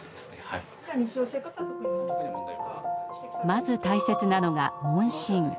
まず大切なのが問診。